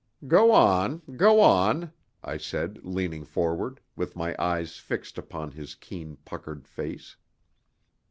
"Go on go on," I said, leaning forward, with my eyes fixed upon his keen, puckered face.